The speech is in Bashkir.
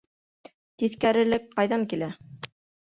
Тиҫкәрелек ҡайҙан килә?